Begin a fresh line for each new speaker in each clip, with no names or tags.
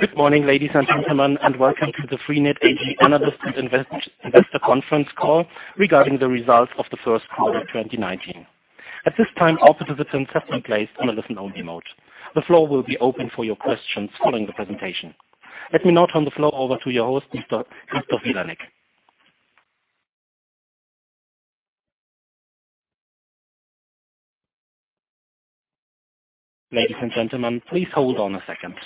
Good morning, ladies and gentlemen, and welcome to the freenet AG Analyst and Investor Conference Call regarding the results of the first quarter of 2019. At this time, all participants have been placed on a listen-only mode. The floor will be open for your questions following the presentation. Let me now turn the floor over to your host, Mr. Christoph Vilanek. Ladies and gentlemen, please hold on a second.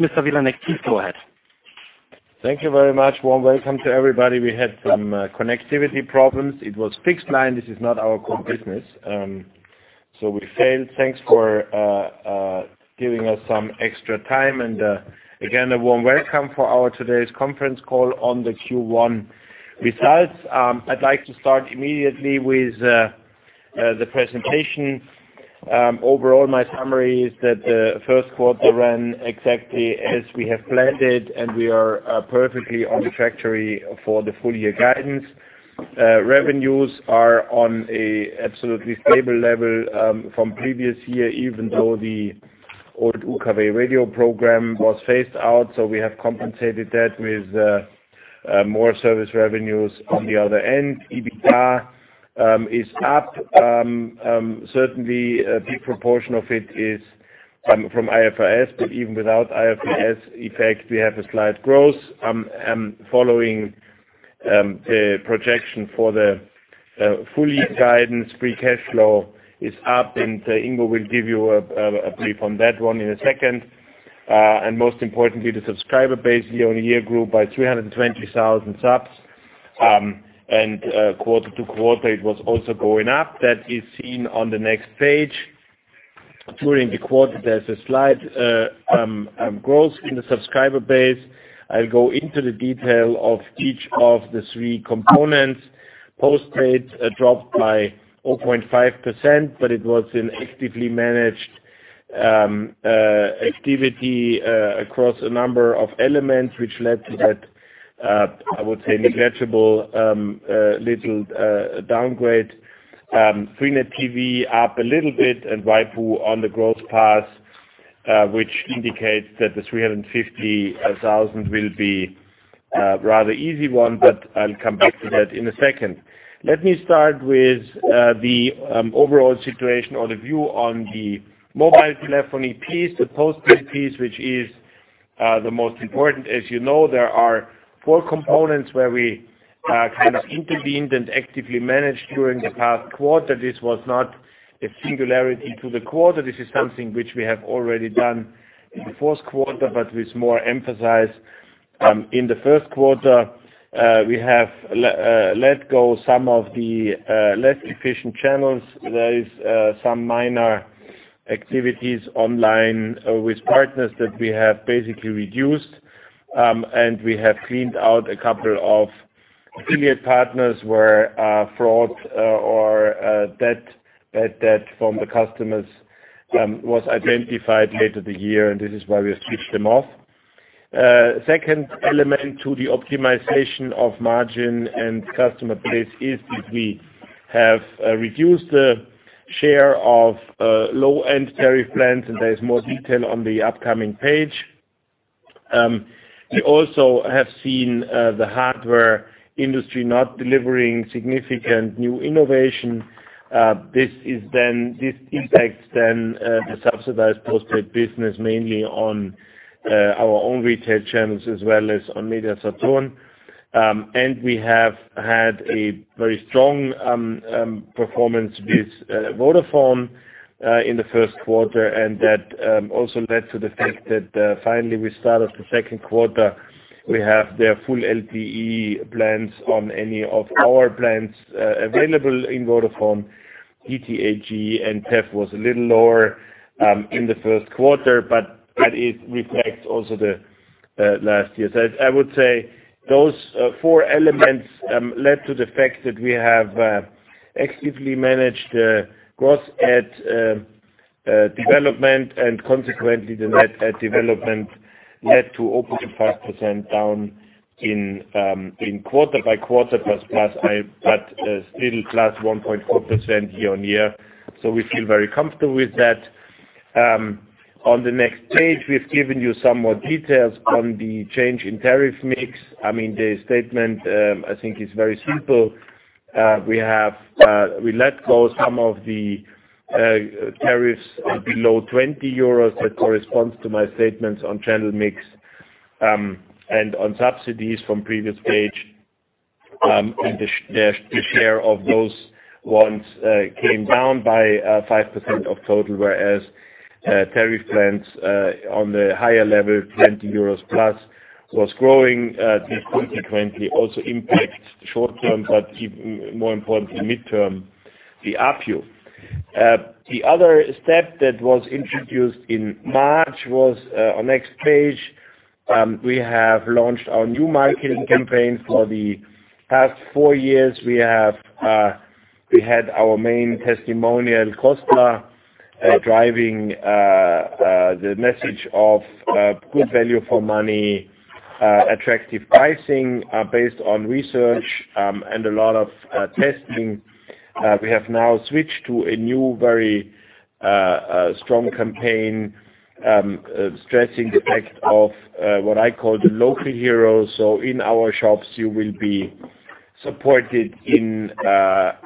Mr. Vilanek, please go ahead.
Thank you very much. Warm welcome to everybody. We had some connectivity problems. It was fixed line. This is not our core business, we failed. Thanks for giving us some extra time, again, a warm welcome for our today's conference call on the Q1 results. I'd like to start immediately with the presentation. Overall, my summary is that the first quarter ran exactly as we have planned it, we are perfectly on the factory for the full-year guidance. Revenues are on an absolutely stable level from previous year, even though the old UKW Radio program was phased out. We have compensated that with more service revenues on the other end. EBITDA is up. Certainly, a big proportion of it is from IFRS, even without IFRS effect, we have a slight growth. Following the projection for the full-year guidance, free cash flow is up, Ingo will give you a brief on that one in a second. Most importantly, the subscriber base year-on-year grew by 320,000 subs, quarter-to-quarter, it was also going up. That is seen on the next page. During the quarter, there's a slight growth in the subscriber base. I'll go into the detail of each of the three components. Postpaid dropped by 0.5%, it was an actively managed activity across a number of elements, which led to that, I would say, negligible little downgrade. freenet TV up a little bit, waipu on the growth path, which indicates that the 350,000 will be a rather easy one, I'll come back to that in a second. Let me start with the overall situation or the view on the mobile telephony piece, the postpaid piece, which is the most important. As you know, there are four components where we kind of intervened and actively managed during the past quarter. This was not a singularity to the quarter. This is something which we have already done in the fourth quarter, with more emphasis. In the first quarter, we have let go some of the less efficient channels. There is some minor activities online with partners that we have basically reduced, we have cleaned out a couple of affiliate partners where fraud or bad debt from the customers was identified later the year, this is why we switched them off. Second element to the optimization of margin and customer base is that we have reduced the share of low-end tariff plans, and there is more detail on the upcoming page. We also have seen the hardware industry not delivering significant new innovation. This impacts then the subsidized postpaid business, mainly on our own retail channels as well as on MediaMarktSaturn. We have had a very strong performance with Vodafone in the first quarter, and that also led to the fact that finally we started the second quarter. We have their full LTE plans on any of our plans available in Vodafone. DT AG and TEF was a little lower in the first quarter, that reflects also the last year. I would say those four elements led to the fact that we have actively managed gross add development, and consequently the net add development led to 0.5% down in quarter-over-quarter. Still plus 1.4% year-over-year. We feel very comfortable with that. On the next page, we've given you some more details on the change in tariff mix. The statement, I think, is very simple: We let go some of the tariffs below 20. That corresponds to my statements on channel mix, and on subsidies from previous page. The share of those ones came down by 5% of total, whereas tariff plans on the higher level, 20 euros plus, was growing. This consequently also impacts the short term, but even more importantly, midterm, the ARPU. The other step that was introduced in March was, on next page. We have launched our new marketing campaign. For the past four years, we had our main testimonial, Costa, driving the message of good value for money, attractive pricing, based on research, and a lot of testing. We have now switched to a new, very strong campaign, stressing the fact of what I call the local hero. In our shops, you will be supported in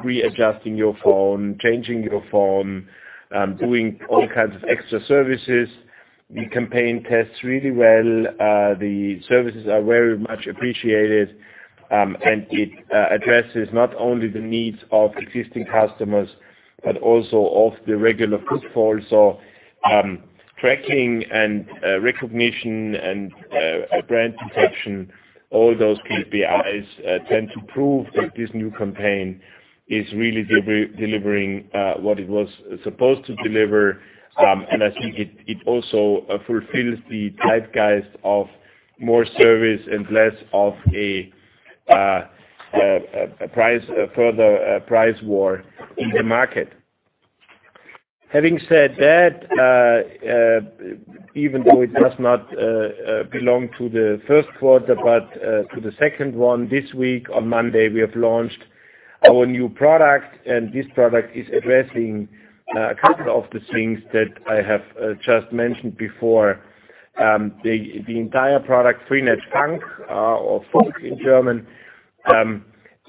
readjusting your phone, changing your phone, doing all kinds of extra services. The campaign tests really well. The services are very much appreciated. It addresses not only the needs of existing customers, but also of the regular footfall. Tracking and recognition and brand perception, all those KPIs tend to prove that this new campaign is really delivering what it was supposed to deliver. I think it also fulfills the zeitgeist of more service and less of a further price war in the market. Having said that, even though it does not belong to the first quarter, but to the second one, this week on Monday, we have launched our new product, this product is addressing a couple of the things that I have just mentioned before. The entire product, freenet FUNK, or FUNK in German,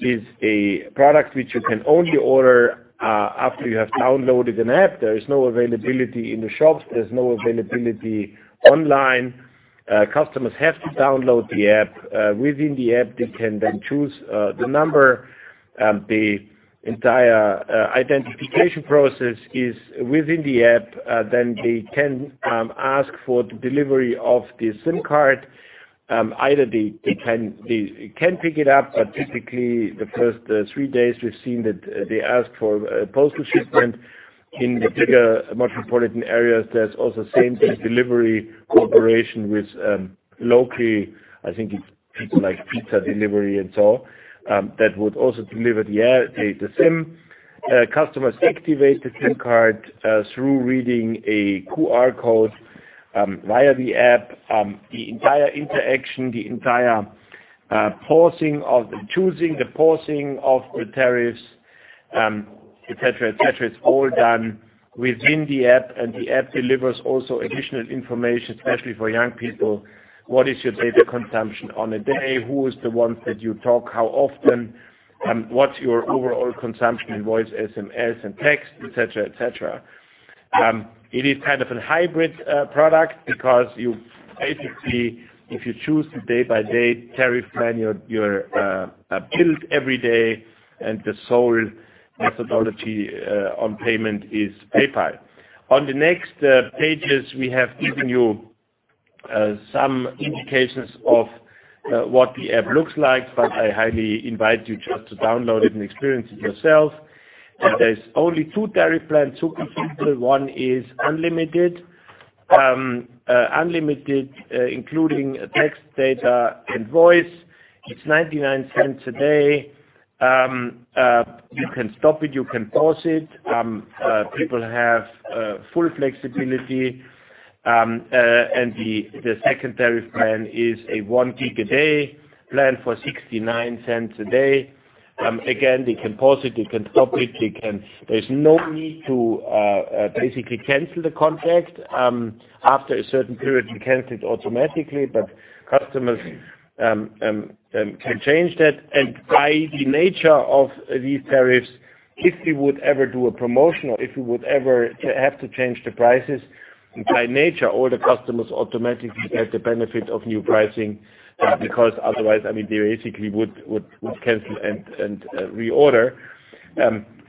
is a product which you can only order after you have downloaded an app. There is no availability in the shops. There's no availability online. Customers have to download the app. Within the app, they can then choose the number. The entire identification process is within the app. They can ask for the delivery of the SIM card. Either they can pick it up, but typically the first three days, we've seen that they ask for a postal shipment. In the bigger metropolitan areas, there's also same-day delivery cooperation with locally, I think it's things like pizza delivery and so on, that would also deliver the SIM. Customers activate the SIM card through reading a QR code via the app. The entire interaction, the entire choosing, the pausing of the tariffs, et cetera, it's all done within the app. The app delivers also additional information, especially for young people. What is your data consumption on a day? Who is the ones that you talk? How often? What's your overall consumption in voice, SMS, and text, et cetera. It is kind of a hybrid product because you basically, if you choose the day-by-day tariff plan, you're billed every day, and the sole methodology on payment is PayPal. On the next pages, we have given you some indications of what the app looks like. I highly invite you just to download it and experience it yourself. There's only two tariff plans, two configure. One is unlimited. Unlimited, including text, data, and voice. It's 0.99 a day. You can stop it. You can pause it. People have full flexibility. The second tariff plan is a 1 gig a day plan for 0.69 a day. Again, they can pause it. They can stop it. There's no need to basically cancel the contract. After a certain period, we cancel it automatically, but customers can change that. By the nature of these tariffs, if we would ever do a promotion or if we would ever have to change the prices, by nature, all the customers automatically get the benefit of new pricing, because otherwise, they basically would cancel and reorder.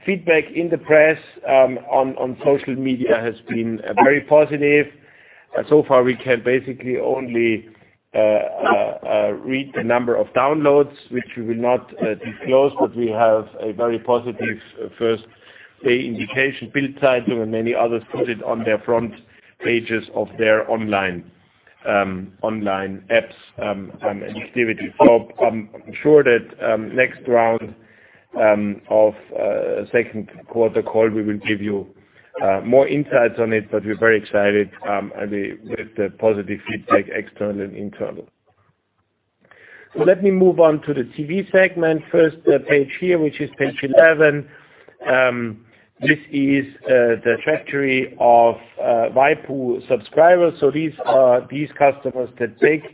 Feedback in the press, on social media has been very positive. Far, we can basically only read the number of downloads, which we will not disclose, but we have a very positive first day indication. Bild title and many others put it on their front pages of their online apps and activity. I'm sure that next round of second quarter call, we will give you more insights on it, but we're very excited with the positive feedback, external and internal. Let me move on to the TV segment first, page here, which is page 11. This is the trajectory of waipu subscribers. These are customers that take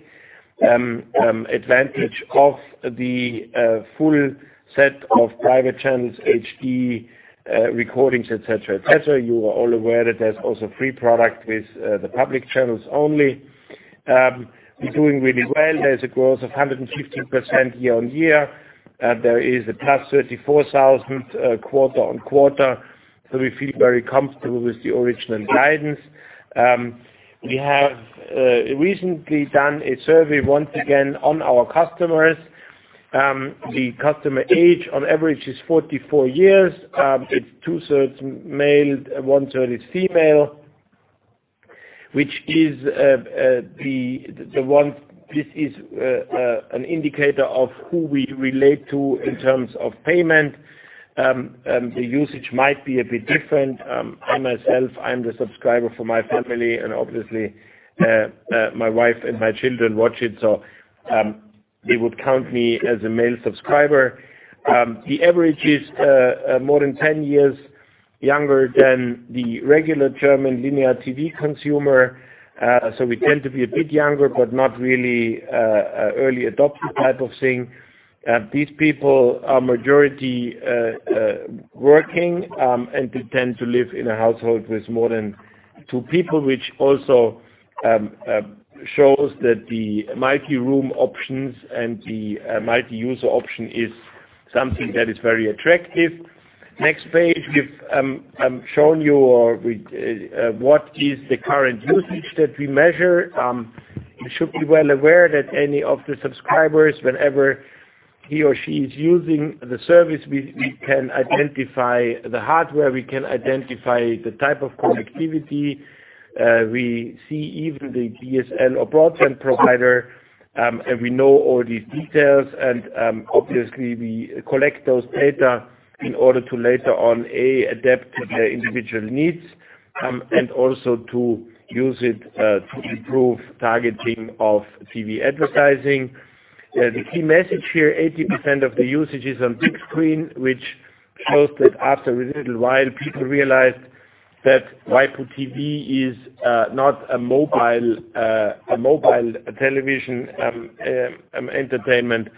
advantage of the full set of private channels, HD recordings, et cetera. You are all aware that there's also a free product with the public channels only. We're doing really well. There's a growth of 150% year-over-year. There is a plus 34,000 quarter-over-quarter, so we feel very comfortable with the original guidance. We have recently done a survey once again on our customers. The customer age on average is 44 years. It's two-thirds male, one-third is female, which is an indicator of who we relate to in terms of payment. The usage might be a bit different. I myself, I'm the subscriber for my family, and obviously, my wife and my children watch it, so they would count me as a male subscriber. The average is more than 10 years younger than the regular German linear TV consumer. We tend to be a bit younger, but not really an early adopter type of thing. These people are majority working, and they tend to live in a household with more than two people, which also shows that the multi-room options and the multi-user option is something that is very attractive. Next page, I've shown you what is the current usage that we measure. You should be well aware that any of the subscribers, whenever he or she is using the service, we can identify the hardware, we can identify the type of connectivity. We see even the DSL or broadband provider, and we know all these details. Obviously, we collect those data in order to later on, A, adapt to their individual needs, and also to use it to improve targeting of TV advertising. The key message here, 80% of the usage is on big screen, which shows that after a little while, people realized that waipu.tv is not a mobile television entertainment,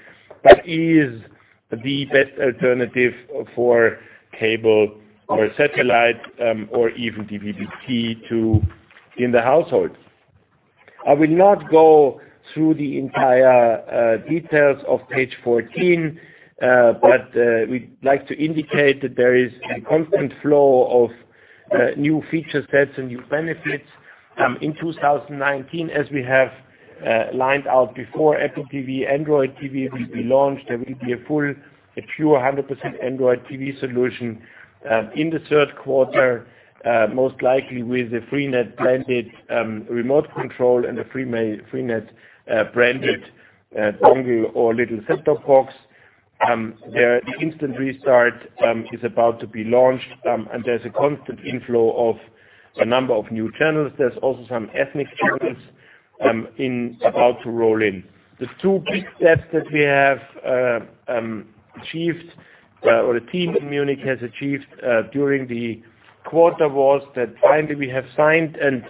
but is the best alternative for cable or satellite, or even DVB-T in the household. I will not go through the entire details of page 14, but we'd like to indicate that there is a constant flow of new feature sets and new benefits. In 2019, as we have lined out before, Apple TV, Android TV will be launched. There will be a full, a pure 100% Android TV solution in the third quarter, most likely with a freenet-branded remote control and a freenet-branded dongle or little set-top box, where the instant restart is about to be launched, and there's a constant inflow of a number of new channels. There's also some ethnic channels about to roll in. The two big steps that we have achieved, or the team in Munich has achieved during the quarter was that finally we have signed and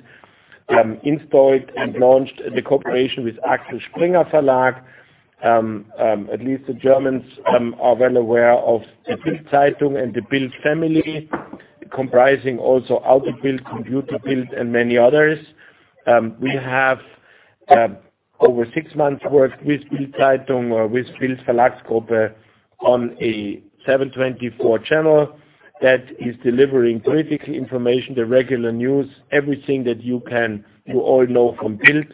installed and launched the cooperation with Axel Springer SE. At least the Germans are well aware of the "Bild-Zeitung" and the Bild family, comprising also "Auto Bild," "Computer Bild," and many others. We have over six months work with "Bild-Zeitung" or with Bild Verlagsgruppe on a 24/7 channel that is delivering political information, the regular news, everything that you all know from Bild,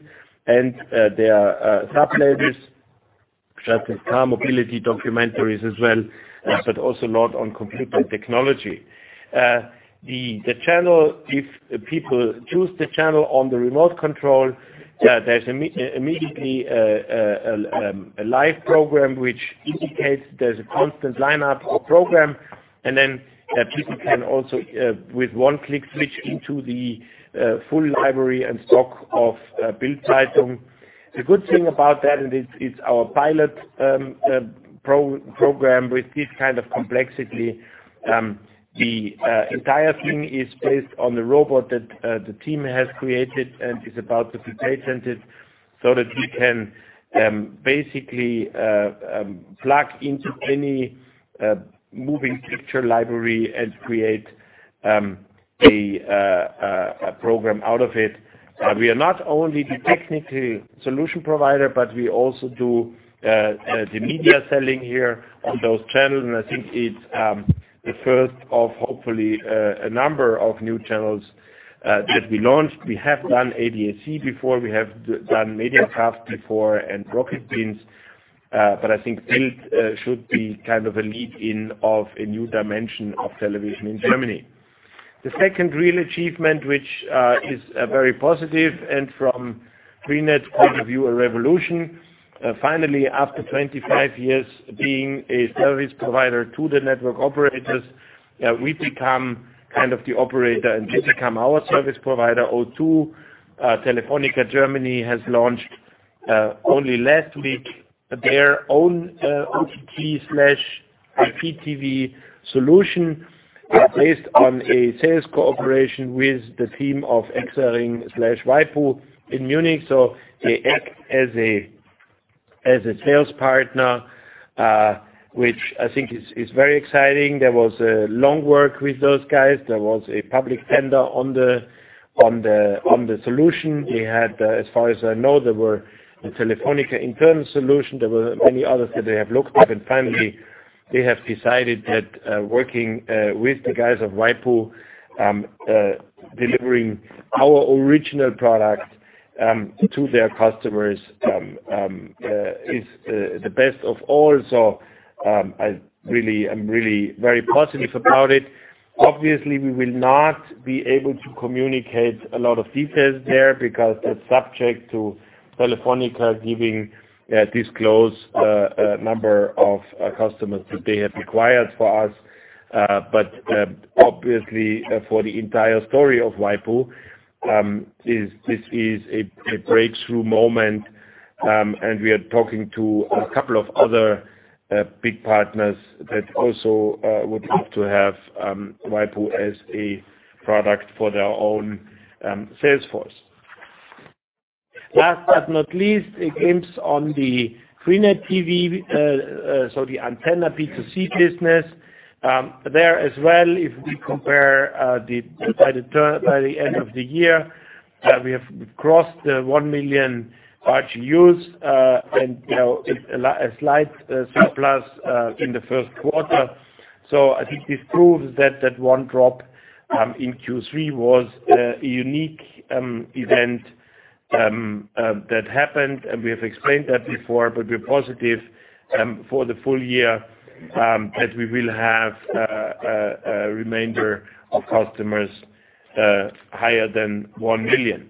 and their sub-labels, such as car mobility documentaries as well, but also a lot on computer technology. The channel, if people choose the channel on the remote control, there's immediately a live program, which indicates there's a constant lineup or program, and then people can also, with one click, switch into the full library and stock of "Bild-Zeitung." The good thing about that, and it's our pilot program with this kind of complexity. The entire thing is based on the robot that the team has created and is about to be patented, so that we can basically plug into any moving picture library and create a program out of it. We are not only the technical solution provider, but we also do the media selling here on those channels, and I think it's the first of hopefully a number of new channels that we launched. We have done ADAC before. We have done Mediakraft Networks before and Rocket Beans. I think Bild should be a lead-in of a new dimension of television in Germany. The second real achievement, which is very positive and from freenet point of view, a revolution. Finally, after 25 years being a service provider to the network operators, we become the operator and they become our service provider. O2, Telefónica Germany has launched only last week, their own OTT/IPTV solution based on a sales cooperation with the team of EXARING/waipu in Munich. They act as a sales partner, which I think is very exciting. There was long work with those guys. There was a public tender on the solution. As far as I know, there were Telefónica internal solution. There were many others that they have looked at, and finally, they have decided that working with the guys of waipu, delivering our original product to their customers is the best of all. I'm really very positive about it. Obviously, we will not be able to communicate a lot of details there because that's subject to Telefónica giving a disclosed number of customers that they have acquired for us. Obviously, for the entire story of waipu, this is a breakthrough moment, and we are talking to a couple of other big partners that also would like to have waipu as a product for their own sales force. Last but not least, a glimpse on the freenet TV, so the antenna B2C business. There as well, if we compare by the end of the year, we have crossed the 1 million ARPU used, and a slight surplus in the first quarter. I think this proves that that one drop in Q3 was a unique event that happened, and we have explained that before, but we're positive for the full year that we will have a remainder of customers higher than 1 million.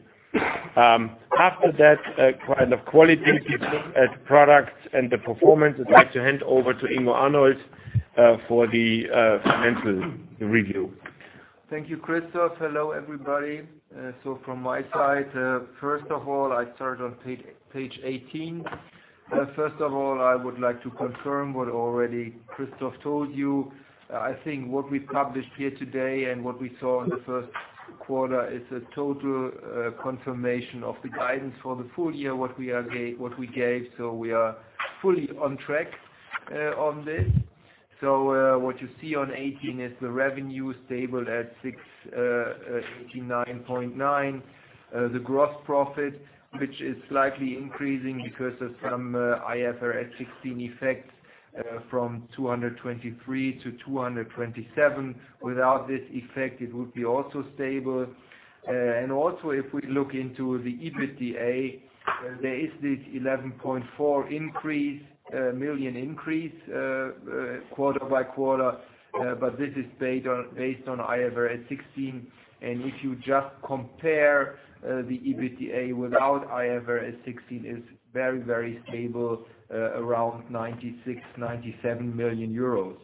After that, quality at products and the performance, I'd like to hand over to Ingo Arnold for the financial review.
Thank you, Christoph. Hello, everybody. From my side, first of all, I start on page 18. First of all, I would like to confirm what already Christoph told you. I think what we published here today and what we saw in the first quarter is a total confirmation of the guidance for the full year, what we gave. We are fully on track on this. What you see on 18 is the revenue stable at 689.9 million. The gross profit, which is slightly increasing because of some IFRS 16 effect from 223 million to 227 million. Without this effect, it would be also stable. Also, if we look into the EBITDA, there is this 11.4 million increase quarter by quarter, but this is based on IFRS 16. If you just compare the EBITDA without IFRS 16 is very stable around 96 million euros, 97 million euros.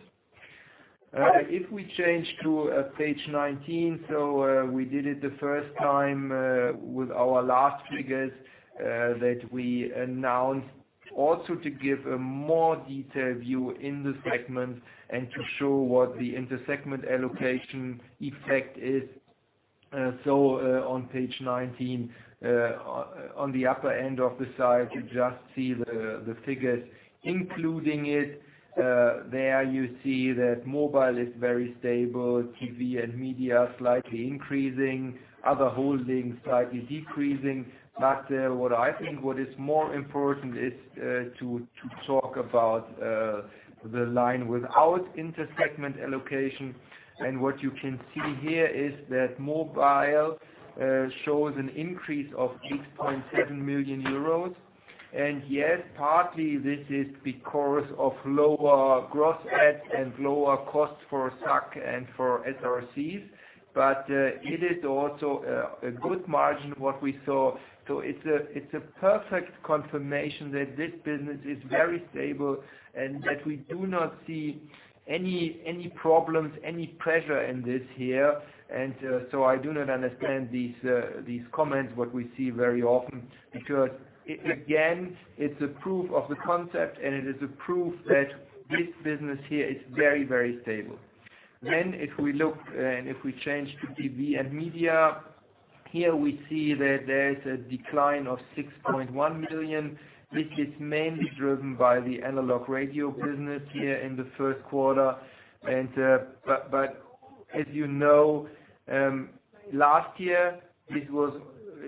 If we change to page 19, we did it the first time with our last figures that we announced also to give a more detailed view in the segment and to show what the inter-segment allocation effect is. On page 19, on the upper end of the side, you just see the figures including it. There you see that mobile is very stable, TV and media slightly increasing, other holdings slightly decreasing. What I think what is more important is to talk about the line without inter-segment allocation. What you can see here is that mobile shows an increase of 8.7 million euros. Yes, partly this is because of lower gross ads and lower costs for SAC and for SRCs, but it is also a good margin, what we saw. It's a perfect confirmation that this business is very stable and that we do not see any problems, any pressure in this here. I do not understand these comments, what we see very often, because, again, it's a proof of the concept, and it is a proof that this business here is very stable. If we look and if we change to TV and media, here we see that there is a decline of 6.1 million. This is mainly driven by the analog radio business here in the first quarter. As you know, last year,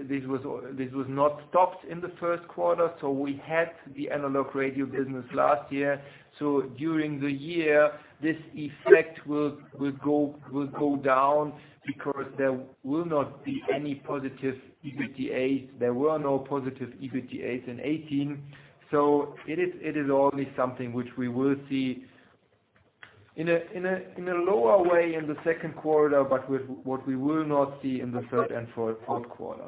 this was not stopped in the first quarter, we had the analog radio business last year. During the year, this effect will go down because there will not be any positive EBITDAs. There were no positive EBITDAs in 2018. It is only something which we will see in a lower way in the second quarter, but what we will not see in the third and fourth quarter.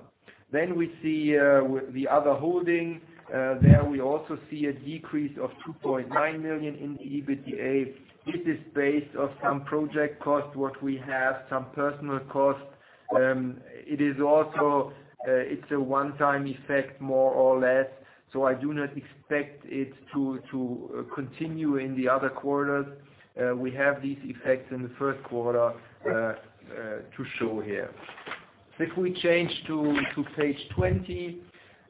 We see the other holding. There we also see a decrease of 2.9 million in the EBITDA. This is based on some project costs, what we have, some personal costs. It is also a one-time effect, more or less. I do not expect it to continue in the other quarters. We have these effects in the first quarter to show here. If we change to page 20.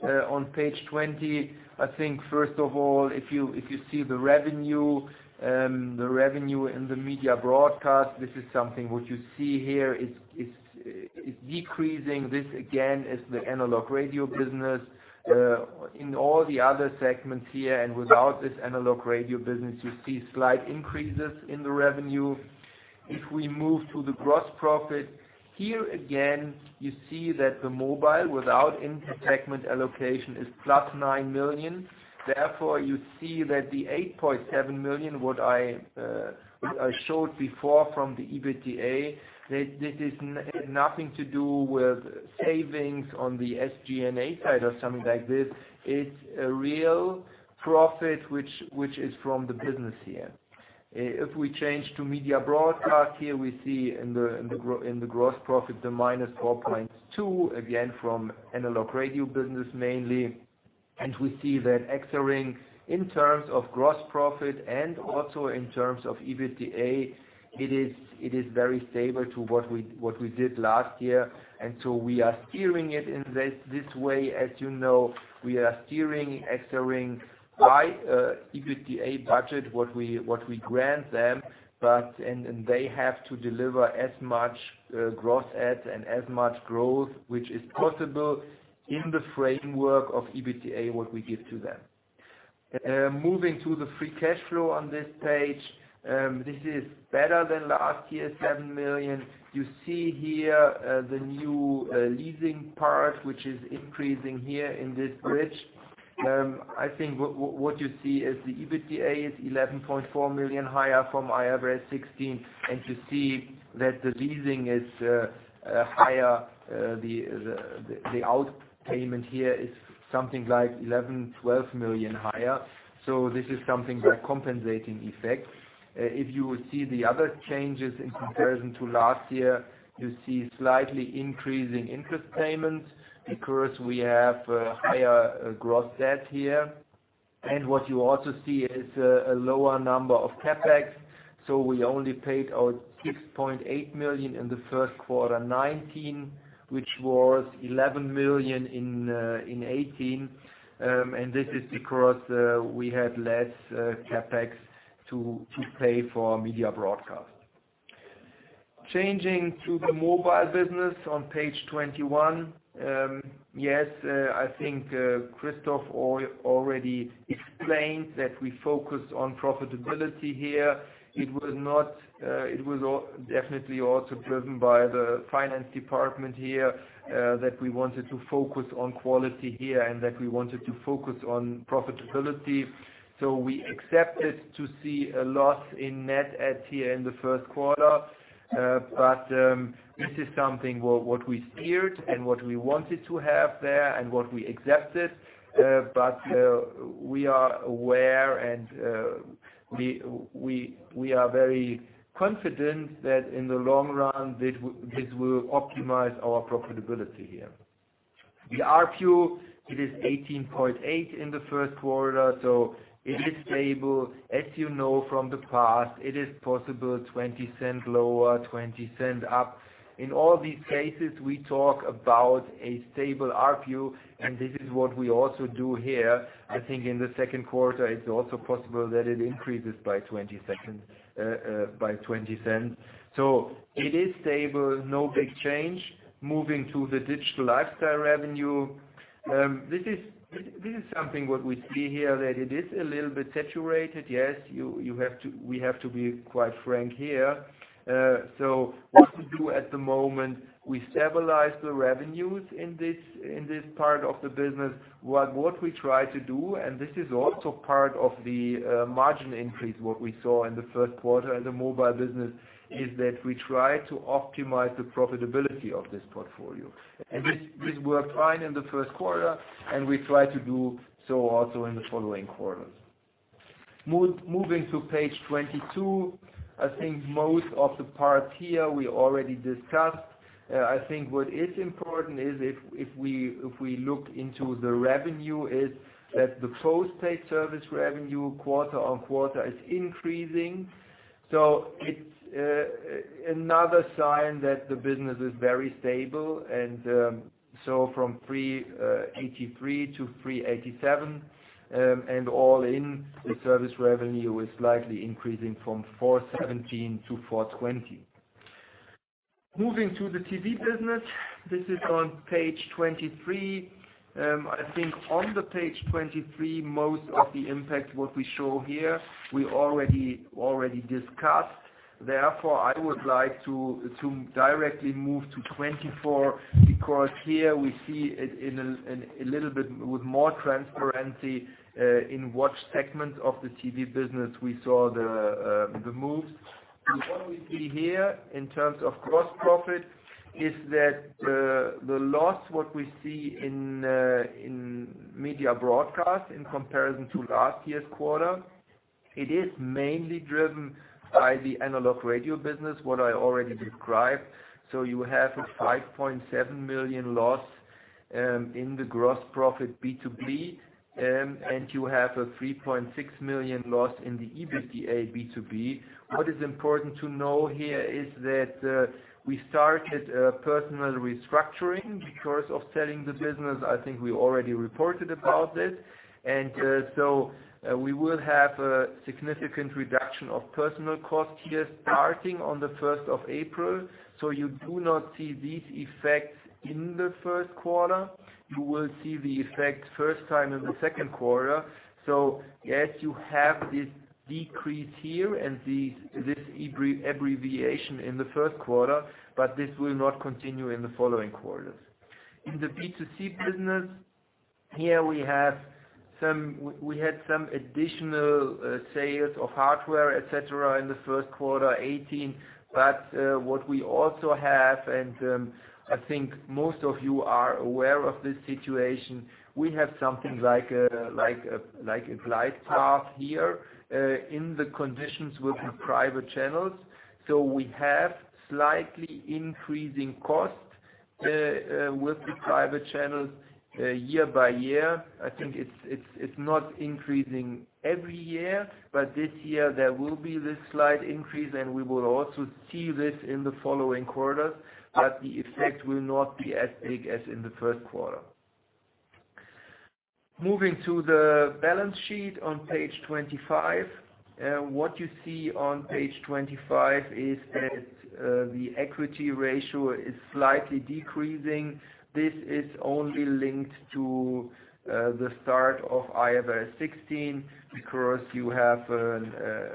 On page 20, I think, first of all, if you see the revenue in the Media Broadcast, this is something what you see here is decreasing. This again, is the analog radio business. In all the other segments here, and without this analog radio business, you see slight increases in the revenue. If we move to the gross profit. Here again, you see that the mobile, without inter-segment allocation, is plus 9 million. Therefore, you see that the 8.7 million, what I showed before from the EBITDA, this has nothing to do with savings on the SG&A side or something like this. It's a real profit, which is from the business here. If we change to Media Broadcast, here we see in the gross profit, the minus 4.2, again from analog radio business mainly. We see that EXARING, in terms of gross profit and also in terms of EBITDA, it is very stable to what we did last year. We are steering it in this way. As you know, we are steering EXARING by EBITDA budget, what we grant them. They have to deliver as much gross adds and as much growth, which is possible in the framework of EBITDA, what we give to them. Moving to the free cash flow on this page. This is better than last year's 7 million. You see here, the new leasing part, which is increasing here in this bridge. What you see is the EBITDA is 11.4 million higher from IFRS 16. You see that the leasing is higher. The out payment here is something like 11 million, 12 million higher. This is something that compensating effect. If you see the other changes in comparison to last year, you see slightly increasing interest payments because we have a higher gross debt here. What you also see is a lower number of CapEx. We only paid out 6.8 million in the first quarter 2019, which was 11 million in 2018. This is because we had less CapEx to pay for Media Broadcast. Changing to the mobile business on page 21. Christoph already explained that we focus on profitability here. It was definitely also driven by the finance department here, that we wanted to focus on quality here and that we wanted to focus on profitability. We accepted to see a loss in net adds here in the first quarter. This is something what we steered and what we wanted to have there and what we accepted. We are aware and we are very confident that in the long run, this will optimize our profitability here. The ARPU, it is 18.8 in the first quarter, so it is stable. As you know from the past, it is possible 0.20 lower, 0.20 up. In all these cases, we talk about a stable ARPU, this is what we also do here. In the second quarter, it is also possible that it increases by 0.20. It is stable, no big change. Moving to the digital lifestyle revenue. This is something what we see here, that it is a little bit saturated. We have to be quite frank here. What we do at the moment, we stabilize the revenues in this part of the business. What we try to do, and this is also part of the margin increase, what we saw in the first quarter in the mobile business, is that we try to optimize the profitability of this portfolio. This worked fine in the first quarter. We try to do so also in the following quarters. Moving to page 22. Most of the parts here we already discussed. What is important is if we look into the revenue, is that the postpaid service revenue quarter-on-quarter is increasing. It is another sign that the business is very stable. From 383 million to 387 million, and all in, the service revenue is likely increasing from 417 million to 420 million. Moving to the TV business. This is on page 23. On the page 23, most of the impact what we show here, we already discussed. Therefore, I would like to directly move to 24, because here we see a little bit with more transparency, in what segment of the TV business we saw the moves. What we see here in terms of gross profit is that the loss, what we see in Media Broadcast in comparison to last year's quarter. It is mainly driven by the analog radio business, what I already described. You have a 5.7 million loss in the gross profit B2B, and you have a 3.6 million loss in the EBITDA B2B. What is important to know here is that we started a personal restructuring because of selling the business. I think we already reported about it. We will have a significant reduction of personal cost here, starting on the 1st of April. You do not see these effects in the first quarter. You will see the effect first time in the second quarter. Yes, you have this decrease here and this abbreviation in the first quarter, but this will not continue in the following quarters. In the B2C business, here we had some additional sales of hardware, et cetera, in the first quarter 2018. What we also have, and I think most of you are aware of this situation, we have something like a glide path here in the conditions with the private channels. We have slightly increasing costs with the private channels year-by-year. I think it's not increasing every year. This year, there will be this slight increase, and we will also see this in the following quarters, but the effect will not be as big as in the first quarter. Moving to the balance sheet on page 25. What you see on page 25 is that the equity ratio is slightly decreasing. This is only linked to the start of IFRS 16, because you have a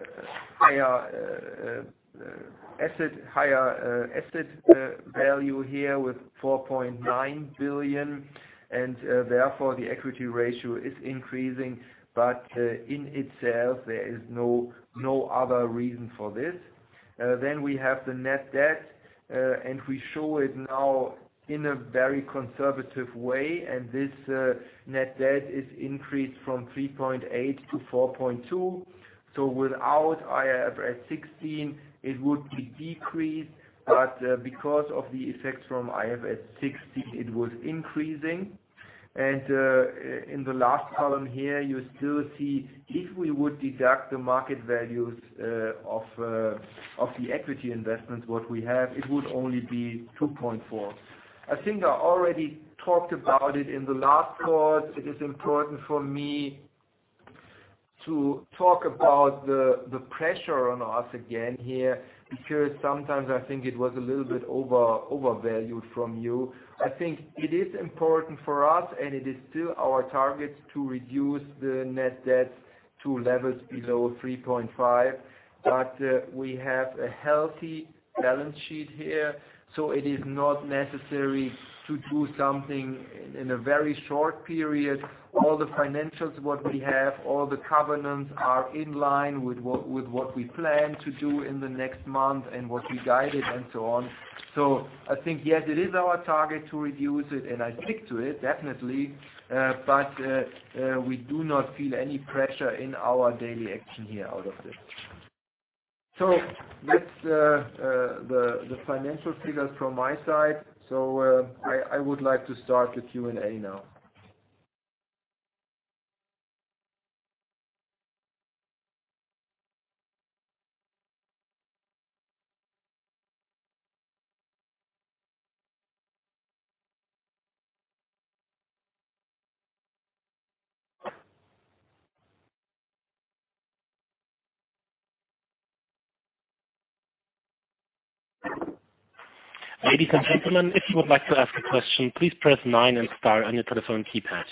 higher asset value here with 4.9 billion, and therefore, the equity ratio is increasing. In itself, there is no other reason for this. We have the net debt, and we show it now in a very conservative way, and this net debt is increased from 3.8 to 4.2. Without IFRS 16, it would be decreased, but because of the effects from IFRS 16, it was increasing. In the last column here, you still see if we would deduct the market values of the equity investments what we have, it would only be 2.4. I think I already talked about it in the last call. It is important for me to talk about the pressure on us again here, because sometimes I think it was a little bit overvalued from you. I think it is important for us, and it is still our target to reduce the net debt to levels below 3.5. We have a healthy balance sheet here, it is not necessary to do something in a very short period. All the financials what we have, all the covenants are in line with what we plan to do in the next month and what we guided and so on. I think, yes, it is our target to reduce it, and I stick to it definitely. We do not feel any pressure in our daily action here out of this. That's the financial figures from my side. I would like to start the Q&A now.
Ladies and gentlemen, if you would like to ask a question, please press nine and star on your telephone keypad.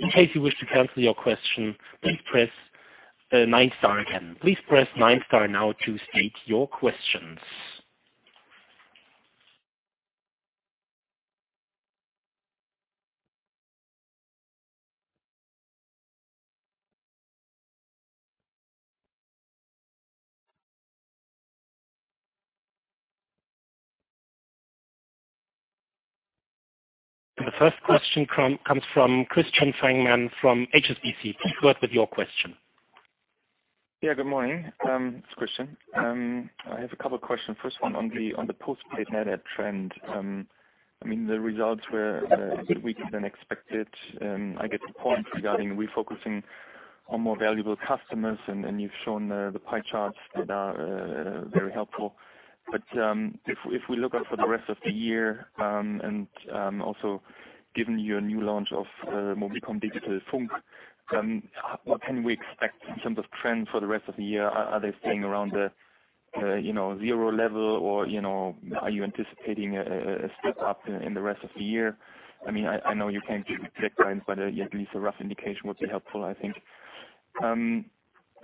In case you wish to cancel your question, please press nine star again. Please press nine star now to state your questions. The first question comes from Christian Fangmann from HSBC. Please go ahead with your question.
Good morning. It's Christian. I have a couple of questions. First one on the postpaid net trend. I mean, the results were a bit weaker than expected. I get the point regarding refocusing on more valuable customers, and you've shown the pie charts that are very helpful. If we look out for the rest of the year, and also given your new launch of Mobicom Digital Funk, what can we expect in terms of trend for the rest of the year? Are they staying around the 0 level, or are you anticipating a step up in the rest of the year? I know you can't give me exact guidance, but at least a rough indication would be helpful, I think.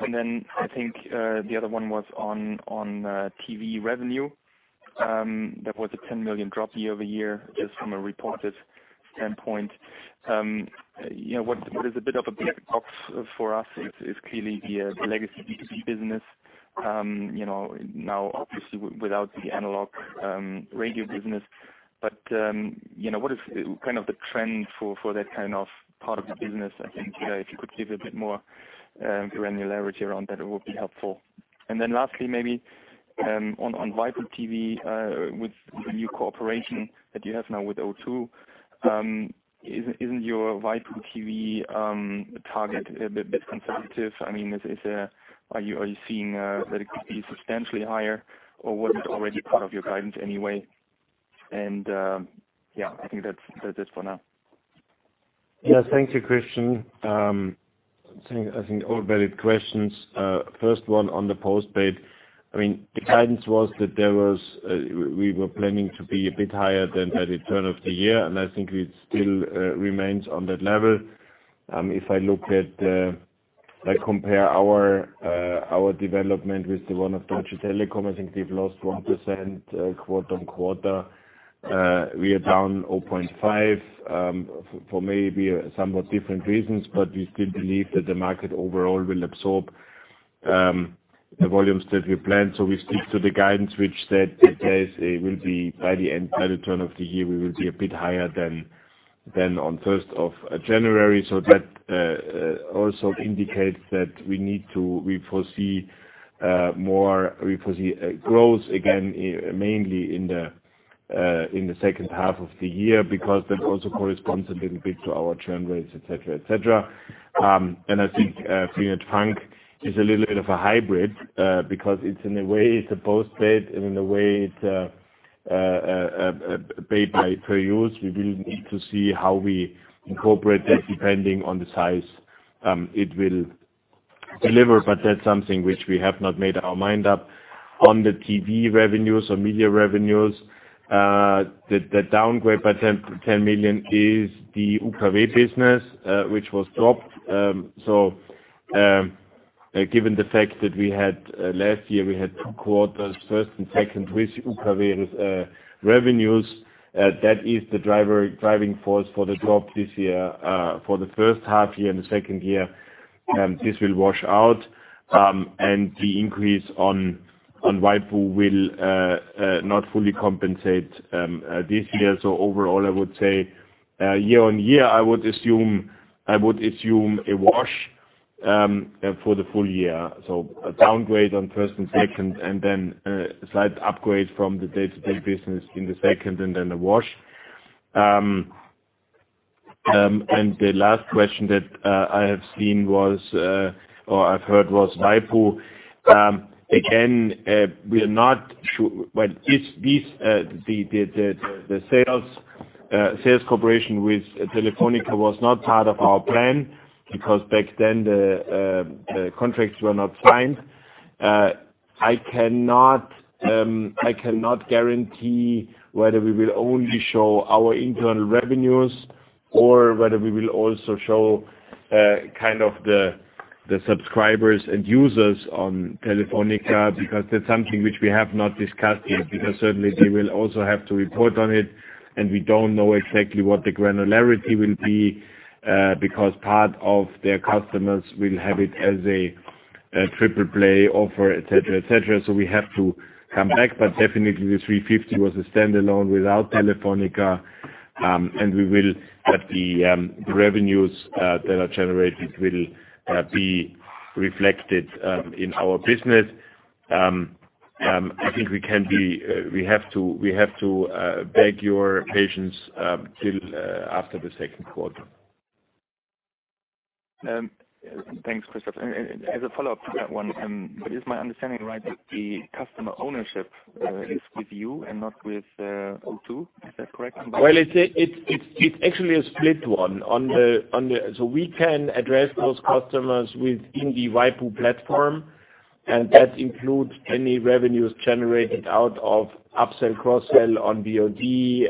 Then I think the other one was on TV revenue. That was a 10 million drop year-over-year, just from a reported standpoint. What is a bit of a black box for us is clearly the legacy B2B business. Now, obviously, without the analog radio business. What is the trend for that part of the business? I think if you could give a bit more granularity around that, it would be helpful. Then lastly, maybe, on waipu.tv, with the new cooperation that you have now with O2, isn't your waipu.tv target a bit conservative? Are you seeing that it could be substantially higher, or was it already part of your guidance anyway? I think that's it for now.
Thank you, Christian. I think all valid questions. First one on the postpaid. The guidance was that we were planning to be a bit higher than at the turn of the year, and I think it still remains on that level. If I compare our development with the one of Deutsche Telekom, I think they've lost 1% quarter-on-quarter. We are down 0.5% for maybe somewhat different reasons. We still believe that the market overall will absorb the volumes that we planned. We stick to the guidance, which said that by the turn of the year, we will be a bit higher than on the 1st of January. That also indicates that we foresee growth again mainly in the second half of the year, because that also corresponds a little bit to our churn rates, et cetera. I think freenet FUNK is a little bit of a hybrid, because in a way, it's a postpaid, and in a way, it's pay per use. We will need to see how we incorporate that depending on the size it will deliver, but that's something which we have not made our mind up. On the TV revenues or media revenues, the downgrade by 10 million is the UKW business, which was dropped. Given the fact that last year we had two quarters, first and second, with UKW revenues, that is the driving force for the drop this year. For the first half year and the second year, this will wash out. The increase on waipu.tv will not fully compensate this year. Overall, I would say year-on-year, I would assume a wash for the full year. A downgrade on first and second, and then a slight upgrade from the day-to-day business in the second, and then a wash. The last question that I have seen was, or I've heard, was waipu.tv. Again, the sales cooperation with Telefónica was not part of our plan, because back then, the contracts were not signed. I cannot guarantee whether we will only show our internal revenues or whether we will also show the subscribers and users on Telefónica, because that's something which we have not discussed yet. Certainly they will also have to report on it, and we don't know exactly what the granularity will be, because part of their customers will have it as a triple play offer, et cetera. We have to come back. Definitely, the 350 was a standalone without Telefónica. The revenues that are generated will be reflected in our business. I think we have to beg your patience till after the second quarter.
Thanks, Christoph. As a follow-up to that one, is my understanding right that the customer ownership is with you and not with O2? Is that correct?
It's actually a split one. We can address those customers within the waipu.tv platform, and that includes any revenues generated out of upsell, cross-sell on VOD,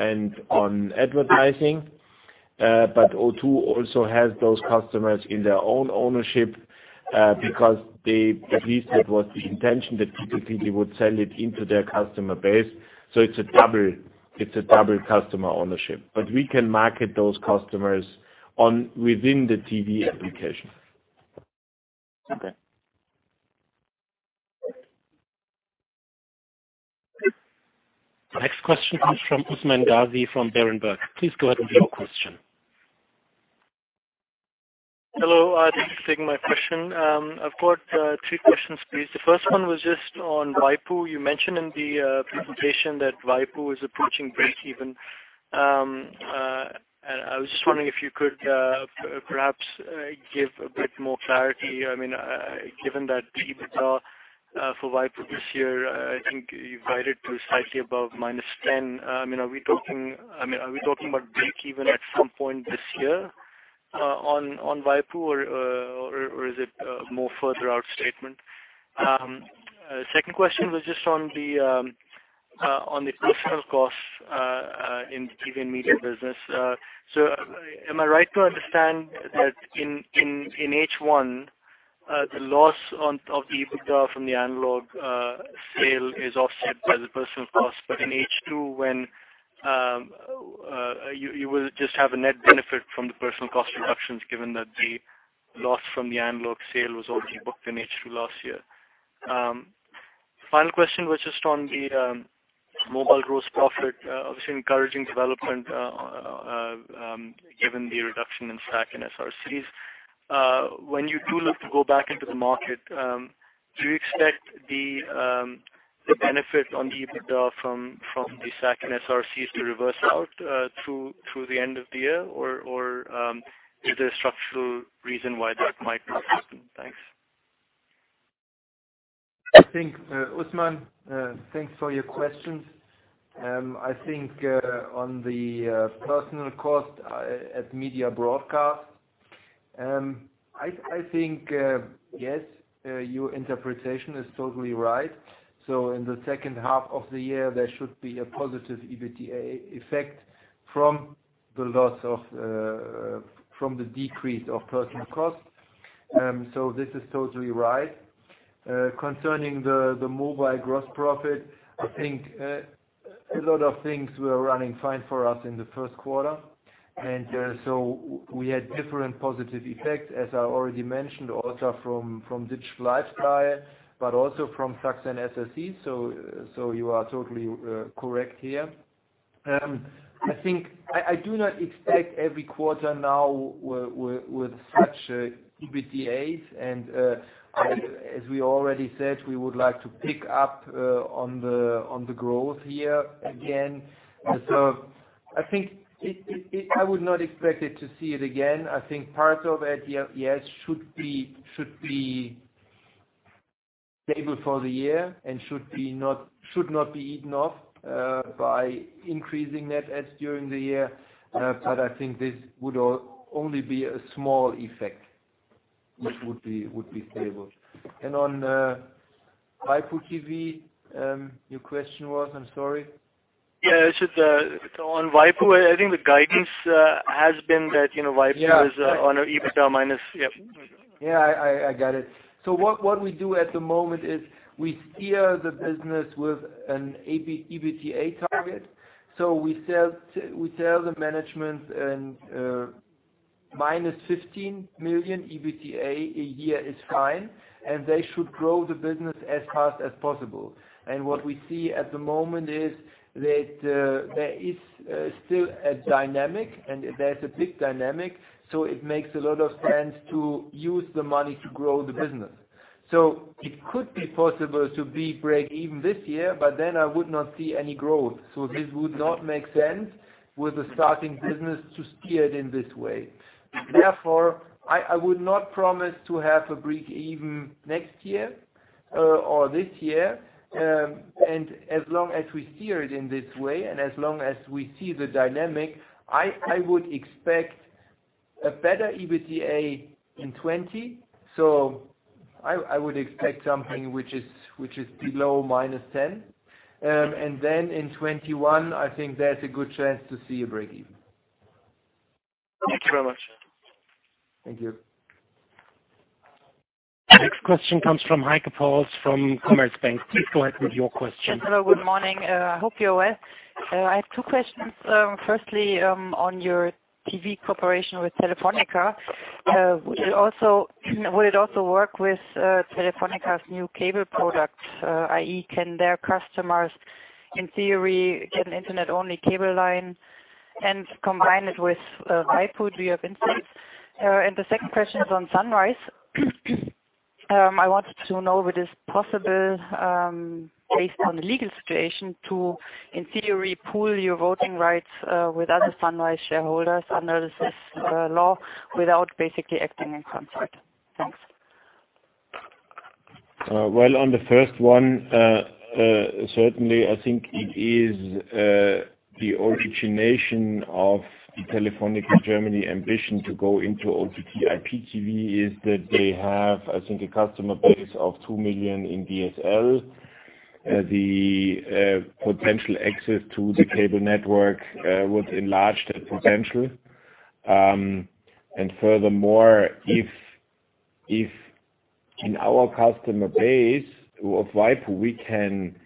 and on advertising. O2 also has those customers in their own ownership, because at least that was the intention, that typically they would sell it into their customer base. It's a double customer ownership. We can market those customers within the TV application.
Okay.
The next question comes from Usman Ghazi from Berenberg. Please go ahead with your question.
Hello. Thanks for taking my question. I've got three questions, please. The first one was just on waipu.tv. You mentioned in the presentation that waipu.tv is approaching breakeven. I was just wondering if you could perhaps give a bit more clarity. Given that EBITDA for waipu.tv this year, I think you guided to slightly above minus 10. Are we talking about breakeven at some point this year on waipu.tv, or is it a more further out statement? Second question was just on the personnel costs in the TV and media business. Am I right to understand that in H1, the loss of the EBITDA from the analog sale is offset by the personnel cost. In H2, when you will just have a net benefit from the personnel cost reductions, given that the loss from the analog sale was already booked in H2 last year. Final question was just on the mobile gross profit. Obviously encouraging development, given the reduction in SAC and SRC. When you do look to go back into the market, do you expect the benefit on the EBITDA from the SAC and SRC to reverse out through the end of the year, or is there a structural reason why that might not happen? Thanks.
Usman, thanks for your questions. On the personal cost at Media Broadcast, yes, your interpretation is totally right. In the second half of the year, there should be a positive EBITDA effect from the decrease of personal costs. This is totally right. Concerning the mobile gross profit, a lot of things were running fine for us in the first quarter. We had different positive effects, as I already mentioned, also from digital lifestyle, but also from SAC and SRC. You are totally correct here. I do not expect every quarter now with such EBITDAs, and as we already said, we would like to pick up on the growth here again. I would not expect to see it again. Parts of it, yes, should be stable for the year and should not be eaten off by increasing net adds during the year. This would only be a small effect, which would be stable. On the waipu.tv, your question was, I'm sorry?
On waipu, the guidance has been that waipu is on our EBITDA minus.
I get it. What we do at the moment is we steer the business with an EBITDA target. We tell the management minus 15 million EBITDA a year is fine, and they should grow the business as fast as possible. What we see at the moment is that there is still a dynamic, and there's a big dynamic, it makes a lot of sense to use the money to grow the business. It could be possible to be breakeven this year, but then I would not see any growth. This would not make sense with a starting business to steer it in this way. I would not promise to have a breakeven next year or this year. As long as we steer it in this way, as long as we see the dynamic, I would expect a better EBITDA in 2020. I would expect something which is below minus 10. Then in 2021, I think there's a good chance to see a breakeven.
Thank you very much.
Thank you.
The next question comes from Heike Pauls from Commerzbank. Please go ahead with your question.
Yes. Hello, good morning. I hope you're well. I have two questions. Firstly, on your TV cooperation with Telefónica. Will it also work with Telefónica's new cable product, i.e., can their customers, in theory, get an internet-only cable line and combine it with waipu.tv in sight? The second question is on Sunrise. I wanted to know whether it is possible, based on the legal situation, to, in theory, pool your voting rights with other Sunrise shareholders under this law without basically acting in concert. Thanks.
Well, on the first one, certainly, I think it is the origination of the Telefónica Germany ambition to go into OTT/IPTV is that they have, I think, a customer base of 2 million in DSL. The potential access to the cable network would enlarge that potential. Furthermore, if in our customer base of waipu, we can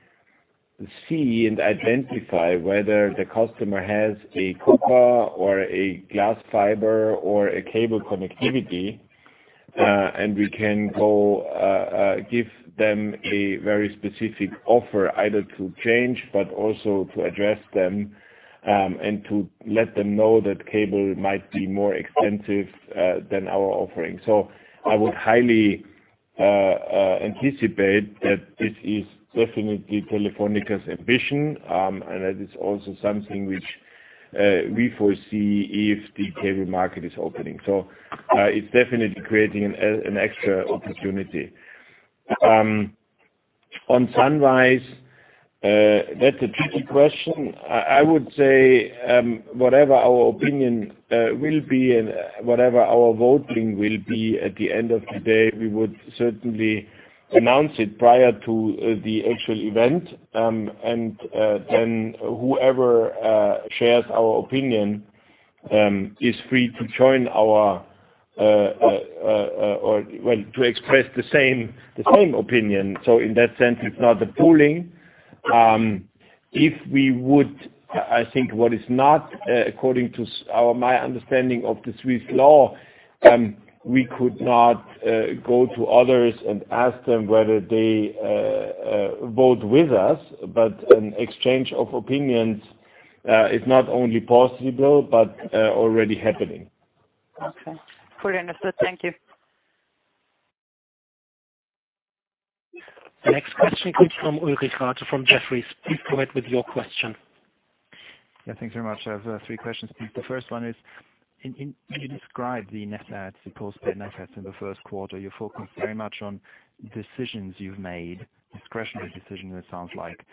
see and identify whether the customer has a copper or a glass fiber or a cable connectivity, and we can go give them a very specific offer, either to change, but also to address them, and to let them know that cable might be more expensive than our offering. I would highly anticipate that this is definitely Telefónica's ambition, and that is also something which we foresee if the cable market is opening. It's definitely creating an extra opportunity. On Sunrise, that's a tricky question. I would say, whatever our opinion will be and whatever our voting will be at the end of the day, we would certainly announce it prior to the actual event. Whoever shares our opinion
Is free to express the same opinion. In that sense, it's not the pooling. I think what is not according to my understanding of the Swiss law, we could not go to others and ask them whether they vote with us, but an exchange of opinions is not only possible but already happening.
Okay. Fully understood. Thank you.
The next question comes from Ulrich Rathe from Jefferies. Please go ahead with your question.
Yeah, thanks very much. I have three questions, please. The first one is, when you describe the net adds, the post-paid net adds in the first quarter, you focus very much on decisions you've made, discretionary decisions, it sounds like.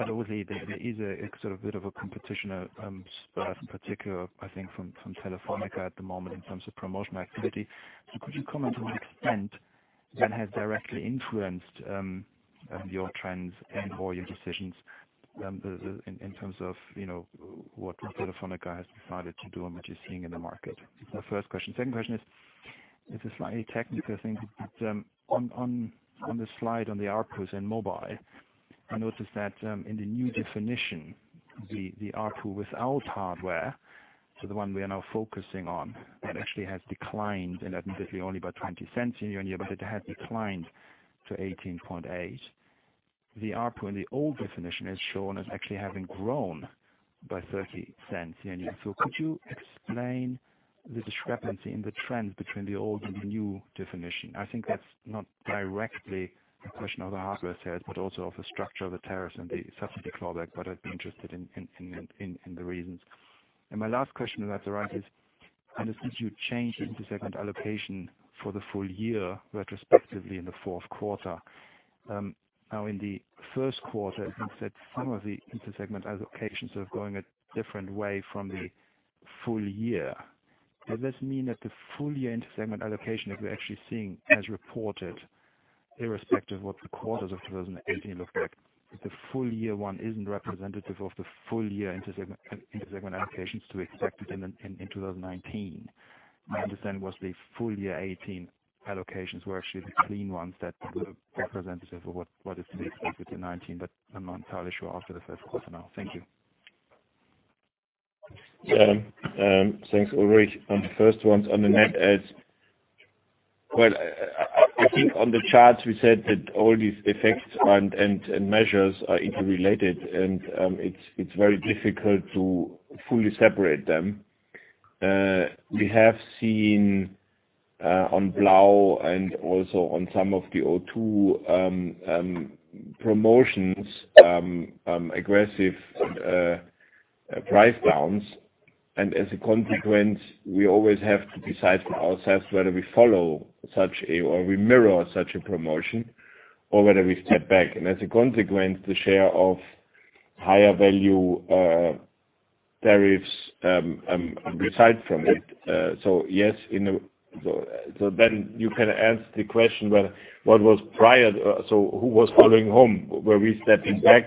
Obviously, there is a sort of bit of a competition, in particular, I think from Telefónica at the moment in terms of promotional activity. Could you comment on what extent that has directly influenced your trends and/or your decisions in terms of what Telefónica has decided to do and what you're seeing in the market? That's the first question. Second question is, it's a slightly technical thing, but on the slide on the ARPU in mobile, I noticed that in the new definition, the ARPU without hardware, so the one we are now focusing on, that actually has declined. Admittedly only by 0.20 year-on-year, but it has declined to 18.8. The ARPU in the old definition is shown as actually having grown by 0.30 year-on-year. Could you explain the discrepancy in the trends between the old and the new definition? I think that's not directly a question of the hardware sales, but also of the structure of the tariffs and the subsidy clawback. I'd be interested in the reasons. My last question, if that's all right, is I noticed you changed the inter-segment allocation for the full year retrospectively in the fourth quarter. In the first quarter, you said some of the inter-segment allocations are going a different way from the full year. Does this mean that the full year inter-segment allocation that we're actually seeing as reported, irrespective of what the quarters of 2018 looked like, that the full year one isn't representative of the full year inter-segment allocations to expect in 2019? My understanding was the full year 2018 allocations were actually the clean ones that were representative of what is to be expected in 2019, but I'm not entirely sure after the first quarter now. Thank you.
Thanks, Ulrich. On the first ones, on the net adds. I think on the charts we said that all these effects and measures are interrelated, and it's very difficult to fully separate them. We have seen on blau and also on some of the O2 promotions, aggressive price downs. As a consequence, we always have to decide for ourselves whether we follow such a, or we mirror such a promotion, or whether we step back. As a consequence, the share of higher value tariffs reside from it. Yes, you can ask the question, well, what was prior? Who was following whom? Were we stepping back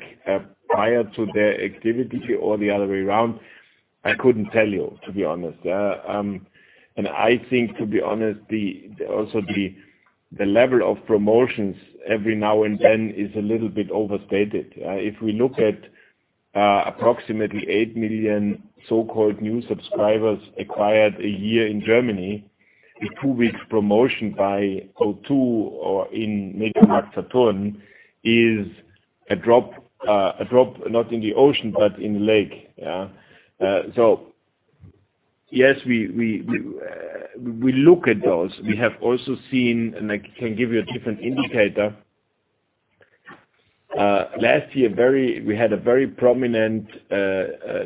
prior to their activity or the other way around? I couldn't tell you, to be honest. I think, to be honest, also the level of promotions every now and then is a little bit overstated. If we look at approximately 8 million so-called new subscribers acquired a year in Germany, a 2-week promotion by O2 or in MediaMarktSaturn is a drop, not in the ocean, but in the lake. Yeah. Yes, we look at those. We have also seen, I can give you a different indicator. Last year, we had a very prominent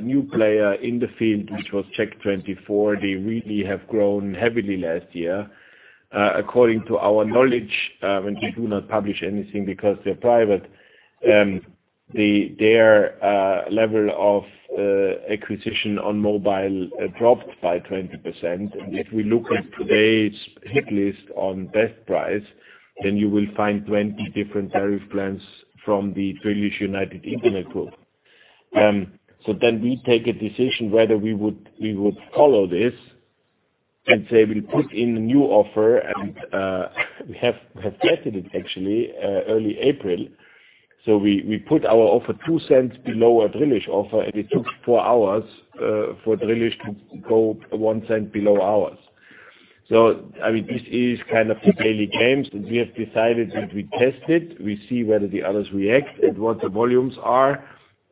new player in the field, which was Check24. They really have grown heavily last year. According to our knowledge, they do not publish anything because they're private, their level of acquisition on mobile dropped by 20%. If we look at today's hit list on best price, you will find 20 different tariff plans from the Drillisch United Internet group. We take a decision whether we would follow this and say we put in a new offer, we have tested it actually early April. We put our offer 0.02 below a Drillisch offer, it took 4 hours for Drillisch to go 0.01 below ours. I mean, this is kind of the daily games, we have decided that we test it. We see whether the others react and what the volumes are.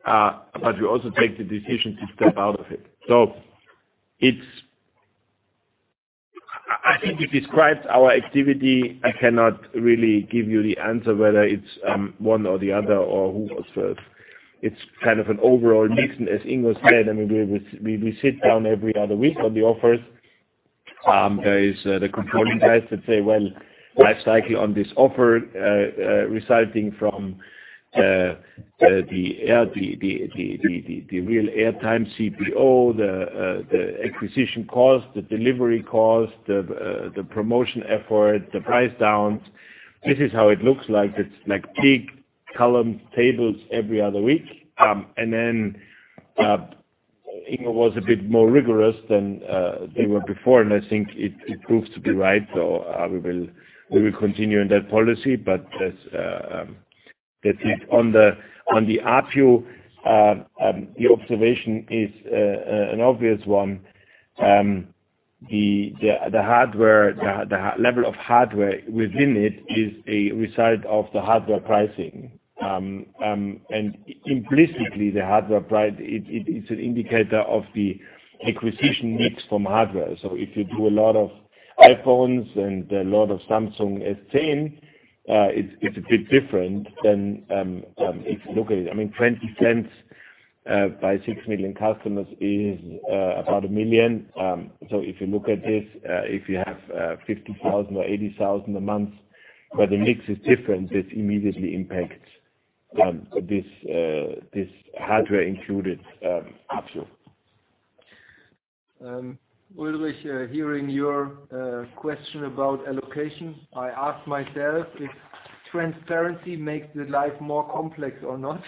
We also take the decision to step out of it. I think we described our activity. I cannot really give you the answer whether it's one or the other or who was first. It's kind of an overall mix, as Ingo said, we sit down every other week on the offers. There is the controlling guys that say, well, life cycle on this offer resulting from the real air time CPO, the acquisition cost, the delivery cost, the promotion effort, the price downs. This is how it looks like. It's like peak column tables every other week. Ingo was a bit more rigorous than they were before, and I think it proves to be right, we will continue in that policy. On the ARPU, your observation is an obvious one. The level of hardware within it is a result of the hardware pricing. Implicitly, the hardware price, it's an indicator of the acquisition mix from hardware. If you do a lot of iPhones and a lot of Samsung S10, it's a bit different than if you look at it. 0.20 by 6 million customers is about 1 million. If you look at this, if you have 50,000 or 80,000 a month, the mix is different, this immediately impacts this hardware included ARPU.
Ulrich, hearing your question about allocation, I ask myself if transparency makes the life more complex or not.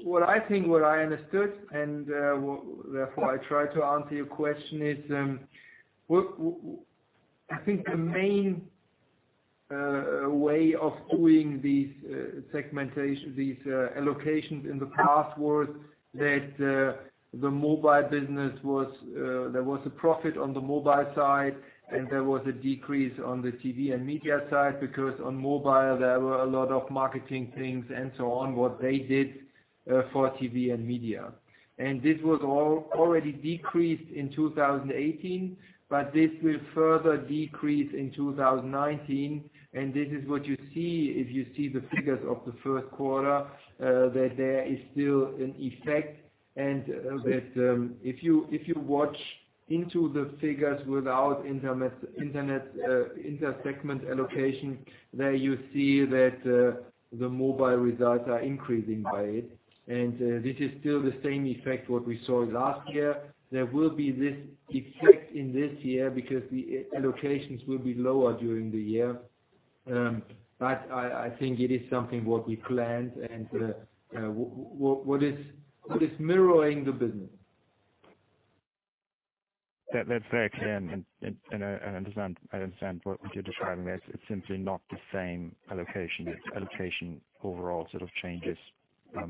What I think, what I understood, and therefore I try to answer your question is, I think the main way of doing these allocations in the past was that the mobile business, there was a profit on the mobile side, there was a decrease on the TV and media side because on mobile, there were a lot of marketing things and so on, what they did for TV and media. This was already decreased in 2018, this will further decrease in 2019, and this is what you see if you see the figures of the first quarter, there is still an effect, that if you watch into the figures without inter-segment allocation, there you see that the mobile results are increasing by it. This is still the same effect what we saw last year. There will be this effect in this year because the allocations will be lower during the year. I think it is something what we planned, and what is mirroring the business.
That's fair, I can, I understand what you're describing there. It's simply not the same allocation. It's allocation overall sort of changes.
Yeah.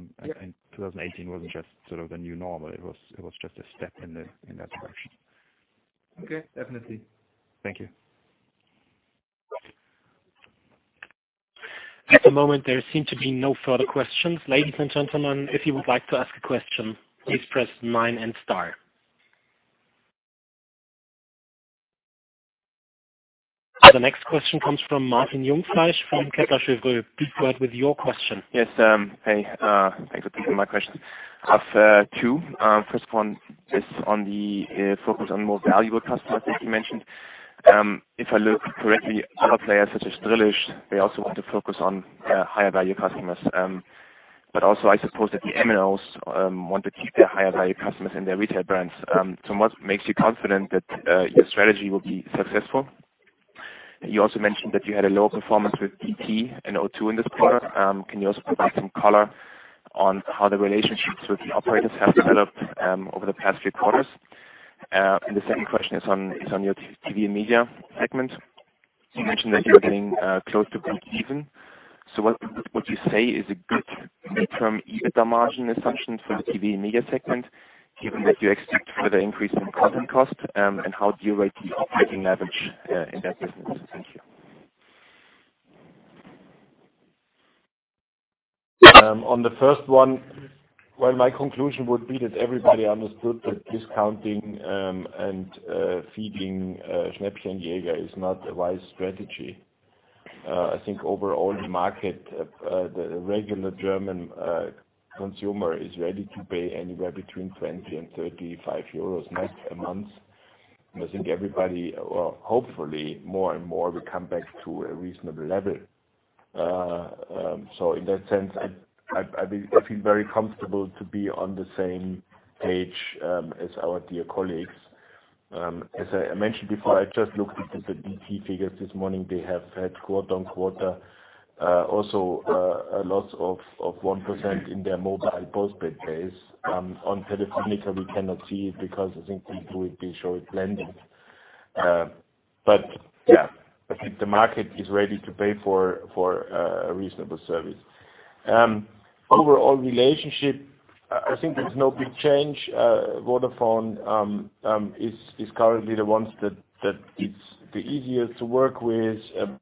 2018 wasn't just sort of the new normal, it was just a step in that direction.
Okay, definitely.
Thank you.
At the moment, there seem to be no further questions. Ladies and gentlemen, if you would like to ask a question, please press nine and star. The next question comes from Martin Jungfleisch from Kepler Cheuvreux. Please go ahead with your question.
Yes. Hey, thanks for taking my question. I've two. First one is on the focus on more valuable customers that you mentioned. If I look correctly, other players such as Drillisch, they also want to focus on higher value customers. I suppose that the MNOs want to keep their higher value customers in their retail brands. What makes you confident that your strategy will be successful? You also mentioned that you had a lower performance with DT and O2 in this quarter. Can you also provide some color on how the relationships with the operators have developed over the past few quarters? The second question is on your TV and media segment. You mentioned that you're getting close to break even. What you say is a good midterm EBITDA margin assumption for the TV and media segment, given that you expect further increase in content cost, how do you rate the operating leverage in that business? Thank you.
On the first one, well, my conclusion would be that everybody understood that discounting and feeding Schnäppchenjäger is not a wise strategy. I think overall the market, the regular German consumer is ready to pay anywhere between 20 and 35 euros net a month. I think everybody, well, hopefully, more and more will come back to a reasonable level. In that sense, I feel very comfortable to be on the same page as our dear colleagues. As I mentioned before, I just looked into the DT figures this morning. They have had quarter-on-quarter, also a loss of 1% in their mobile postpaid base. On Telefónica, we cannot see it because I think they will be short landing. Yeah, I think the market is ready to pay for a reasonable service. Overall relationship, I think there's no big change. Vodafone is currently the ones that it's the easiest to work with.